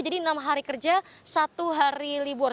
jadi enam hari kerja satu hari libur